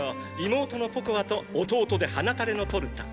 妹のポコアと弟で鼻たれのトルタ。